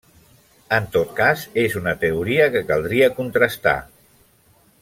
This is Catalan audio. En tot cas és una teoria que caldria contrastar.